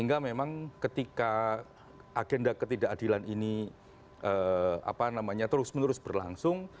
sehingga memang ketika agenda ketidakadilan ini terus menerus berlangsung